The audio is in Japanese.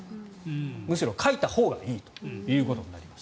むしろ、かいたほうがいいということになります。